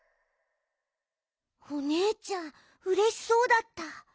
おねえちゃんうれしそうだった。